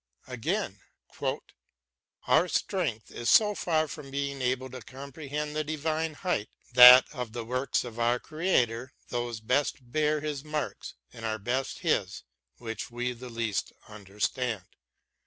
Again : Our strength is so far from being able to comprehend the divine height that of the works of our Creator those best bear His mark and are best His which we the least understand.